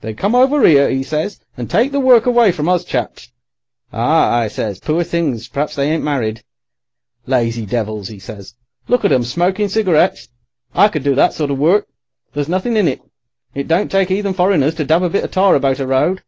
"'They come over 'ere,' 'e says, 'and take the work away from us chaps.' "'Ah,' I says, 'poor things, perhaps they ain't married.' "'Lazy devils! 'e says. 'Look at 'em, smoking cigarettes. I could do that sort of work. There's nothing in it. It don't take 'eathen foreigners to dab a bit of tar about a road.